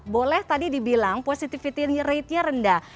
boleh tadi dibilang positivity ratenya rendah